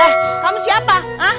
eh kamu siapa